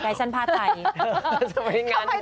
ก็จะไปงาน